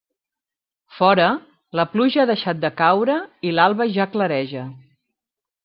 Fora, la pluja ha deixat de caure i l'alba ja clareja.